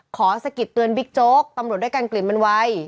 สะกิดเตือนบิ๊กโจ๊กตำรวจด้วยกันกลิ่นมันไว